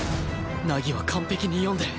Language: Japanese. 凪は完璧に読んでる